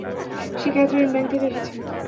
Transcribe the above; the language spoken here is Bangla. সে ক্যাথরিন, ব্যাংক থেকে এসেছে।